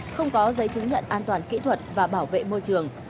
không có giấy chứng nhận an toàn kỹ thuật và bảo vệ môi trường